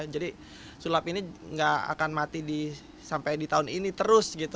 jadi sulap ini tidak akan mati sampai di tahun ini terus